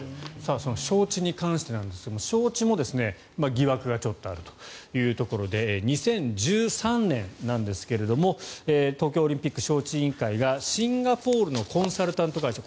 招致に関してなんですが招致も疑惑がちょっとあるというところで２０１３年なんですが東京オリンピック招致委員会がシンガポールのコンサルタント会社